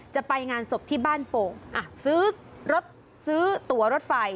จะไปงานศพที่บ้านโป่งซื้อรถซื้อตัวรถไฟ